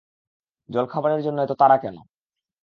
জলখাবারের জন্যে এত তাড়া কেন!